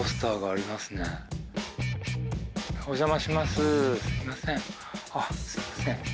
あっすみません。